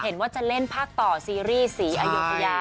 เห็นว่าจะเล่นภาคต่อซีรีส์ศรีอายุทยา